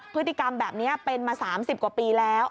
พฤติกรรมแบบนี้เป็นมา๓๐กว่าปีแล้ว